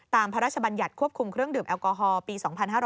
พระราชบัญญัติควบคุมเครื่องดื่มแอลกอฮอลปี๒๕๕๙